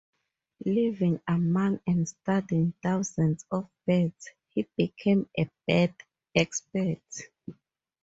Living among and studying thousands of birds, he became a bird expert.